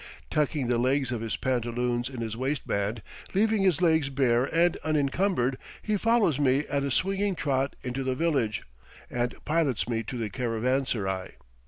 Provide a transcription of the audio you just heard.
Tucking the legs of his pantaloons in his waistband, leaving his legs bare and unencumbered, he follows me at a swinging trot into the village, and pilots me to the caravanserai.